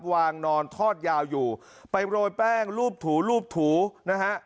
วางนอนทอดยาวอยู่ไปโรยแป้งลูบถูนะฮะ